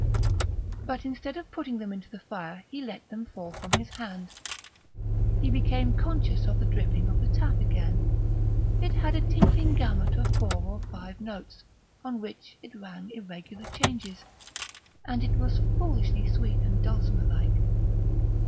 But instead of putting them into the fire he let them fall from his hand. He became conscious of the dripping of the tap again. It had a tinkling gamut of four or five notes, on which it rang irregular changes, and it was foolishly sweet and dulcimer like.